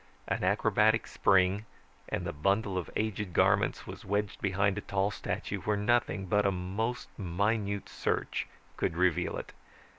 An acrobatic spring, and the bundle of aged garments was wedged behind a tall statue, where nothing but a most minute search could reveal it.